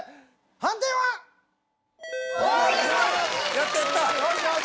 やったやった。